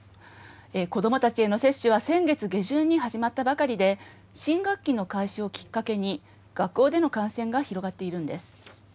子どもたちへの接種は先月下旬に始まったばかりで、新学期の開始をきっかけに、学校での感染が広がっているんです。